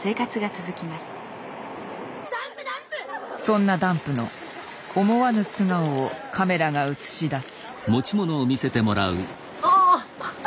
そんなダンプの思わぬ素顔をカメラが映し出す。